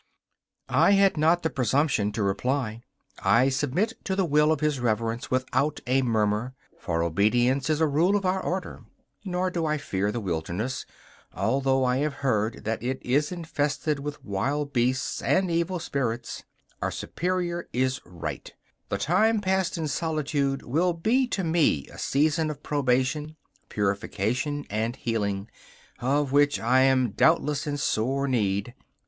I had not the presumption to reply. I submit to the will of His Reverence without a murmur, for obedience is a rule of our Order. Nor do I fear the wilderness, although I have heard that it is infested with wild beasts and evil spirits. Our superior is right: the time passed in solitude will be to me a season of probation, purification and healing, of which I am doubtless in sore need.